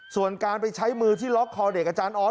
ส่วนการไปใช้มือที่ล็อกคอเด็กอาจารย์ออส